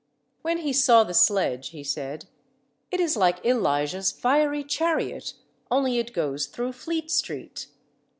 When he saw the sledge, he said, "It is like Elijah's fiery chariot, only it goes through Fleet Street."